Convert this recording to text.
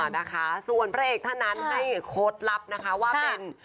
นะคะส่วนพระเอกท่านนั้นให้โค้ดลับนะคะว่าเป็น